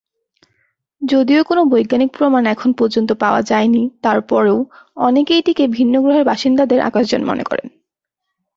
যদিও কোন বৈজ্ঞানিক প্রমাণ এখন পর্যন্ত পাওয়া যায়নি, তারপরও অনেকেই এটিকে ভিন্ন গ্রহের বাসিন্দাদের আকাশযান বলে মনে করেন।